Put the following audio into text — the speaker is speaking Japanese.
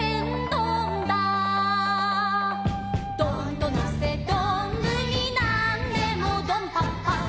「どんとのせどんぶりなんでもどんぱっぱ」